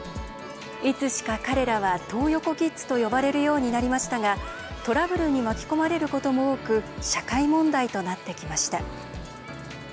いつしか彼らは「トー横キッズ」と呼ばれるようになりましたがトラブルに巻き込まれることも多く社会問題となってきました。